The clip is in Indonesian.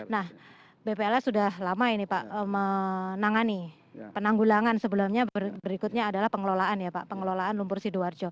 nah bpls sudah lama ini pak menangani penanggulangan sebelumnya berikutnya adalah pengelolaan ya pak pengelolaan lumpur sidoarjo